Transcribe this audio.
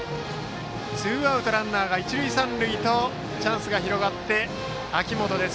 ツーアウトランナーが一塁三塁とチャンスが広がってバッターは秋元です。